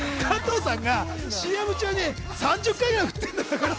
加藤さんがＣＭ中に３０回ぐらい振ってる。